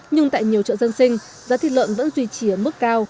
nhưng tại nhiều chợ dân sinh giá thịt lợn vẫn duy trì ở mức cao